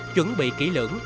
chuẩn bị kỹ lưỡng